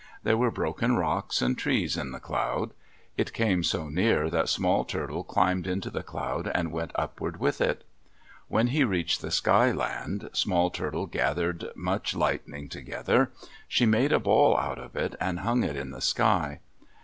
There were broken rocks and trees in the cloud. It came so near that Small Turtle climbed into the cloud, and went upward with it. When she reached the Sky Land, Small Turtle gathered much lightning together. She made a ball out of it, and hung it in the sky.